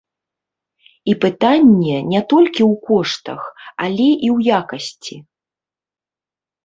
І пытанне не толькі ў коштах, але і ў якасці!